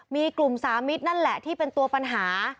มีกลุ่มสามิตรนั่นแหละที่เป็นตัวปัญหา